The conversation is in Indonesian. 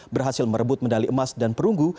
berhasil merebut medali emas dan perunggu